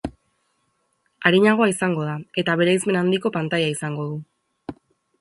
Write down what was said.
Arinagoa izango da eta bereizmen handiko pantaila izango du.